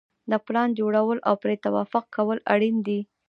د پلان جوړول او پرې توافق کول اړین دي.